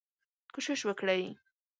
کوشش وکړئ